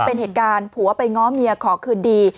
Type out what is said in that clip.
เป็นเหตุการณ์ผัวไปง้อเมียขอคืนดี